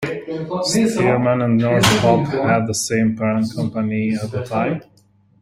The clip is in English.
Stearman and Northrop had the same parent company at the time.